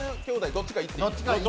どっちかいっていい。